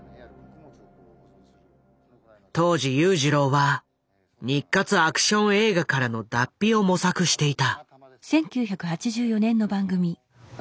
当時裕次郎は日活アクション映画からの脱皮を模索していた。